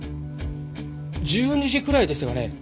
１２時くらいでしたかね